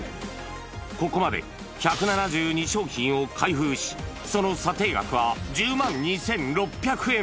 ここまで１７２商品を開封し、その査定額は１０万２６００円。